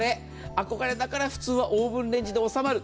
憧れだから普通はオーブンレンジで収まる。